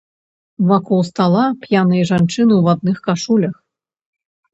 Вакол стала п'яныя жанчыны ў адных кашулях.